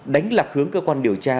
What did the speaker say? đánh lạc hướng cơ quan điều tra